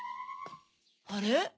あれ？